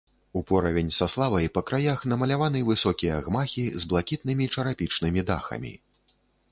Упоравень са славай па краях намаляваны высокія гмахі з блакітнымі чарапічнымі дахамі.